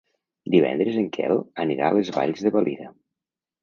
Divendres en Quel anirà a les Valls de Valira.